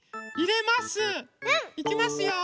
うん。いきますよ。